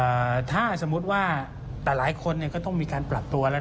ถ้าสมมุติว่าแต่หลายคนเนี่ยก็ต้องมีการปรับตัวแล้วนะ